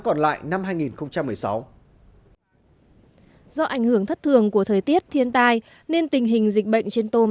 còn lại năm hai nghìn một mươi sáu do ảnh hưởng thất thường của thời tiết thiên tai nên tình hình dịch bệnh trên tôm